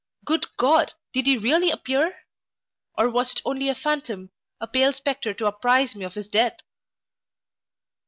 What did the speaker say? Good God! did he really appear? or was it only a phantom, a pale spectre to apprise me of his death.